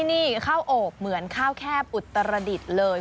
นี่ข้าวโอบเหมือนข้าวแคบอุตรดิษฐ์เลย